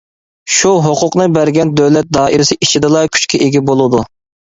شۇ ھوقۇقنى بەرگەن دۆلەت دائىرىسى ئىچىدىلا كۈچكە ئىگە بولىدۇ.